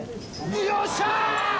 よっしゃー！